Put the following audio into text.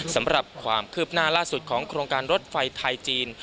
สำหรับความคืบหน้าล่าสุดของโครงการรถไฟไทยจีน